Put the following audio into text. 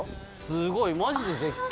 すごいマジで絶景